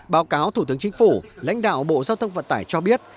báo cáo thủ tướng chính phủ lãnh đạo bộ giao thông vận tải cho biết